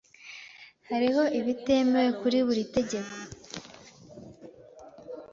Hariho ibitemewe kuri buri tegeko.